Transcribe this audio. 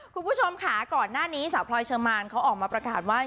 คุณผู้ชมค่ะก่อนหน้านี้สาวพลอยเชอร์มานเขาออกมาประกาศว่า